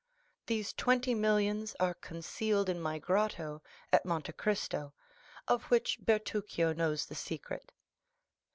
These twenty millions are concealed in my grotto at Monte Cristo, of which Bertuccio knows the secret.